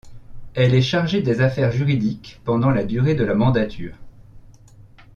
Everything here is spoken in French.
Elle est chargée des Affaires juridiques pendant la durée de la mandature.